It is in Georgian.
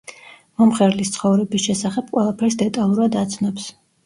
მომღერლის ცხოვრების შესახებ ყველაფერს დეტალურად აცნობს.